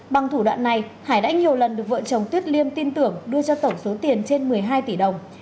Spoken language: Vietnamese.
bằng thủ đoạn này hải đã nhiều lần được vợ chồng tuyết liêm tin tưởng đưa cho tổng số tiền trên một mươi hai tỷ đồng